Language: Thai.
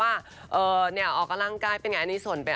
อันนี้ออกกระลังกายเป็นยังไง